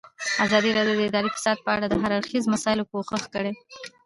ازادي راډیو د اداري فساد په اړه د هر اړخیزو مسایلو پوښښ کړی.